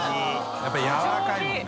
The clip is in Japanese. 笋辰やわらかいもんね。